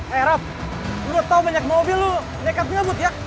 eh raff udah tau banyak mobil lu deket deket ya